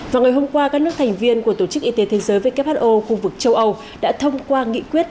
vào ngày hôm qua các nước thành viên của tổ chức y tế thế giới who khu vực châu âu đã thông qua nghị quyết